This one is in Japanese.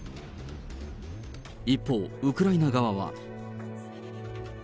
一方、ウクライナ側は。